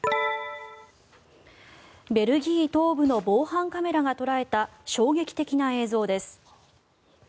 ベルギー東部の防犯カメラが捉えた衝撃的な映像です。